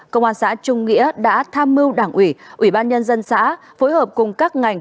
công an xã trung nghĩa đã tham mưu đảng ủy ủy ban nhân dân xã phối hợp cùng các ngành